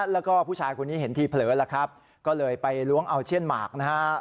แล้วก็ผู้ชายคนนี้เห็นทีเผลอแล้วครับก็เลยไปล้วงเอาเช่นหมากนะฮะ